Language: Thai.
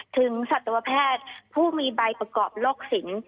ถึงสัตวแพทย์ผู้มีใบประกอบโรคศิลป์